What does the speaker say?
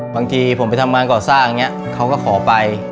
บางทีผมไปทำงานก่อสร้างเขาก็ขอไป